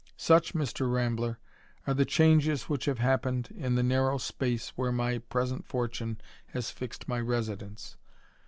ch, Mr. Rambler, are the changes which have happened le narrow space where my present fortune has fixed 3sidence.